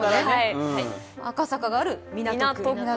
赤坂がある港区。